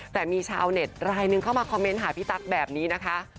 แต่มีชาวเน็ตรายนึงเข้ามาคอมเมนต์หาพี่ตั๊กแบบนี้นะคะ